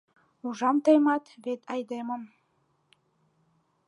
Ужам тыйымат, вет айдемын